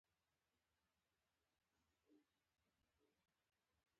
د کنفرانس دوهمه برخه وروسته له غرمې وه.